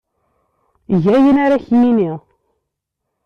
Eg ayen ara ak-yini.